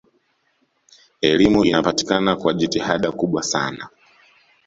elimu inapatikana kwa jitihada kubwa sana